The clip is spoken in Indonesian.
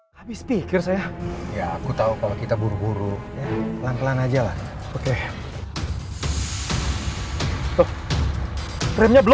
kondisinya dalam keadaan koma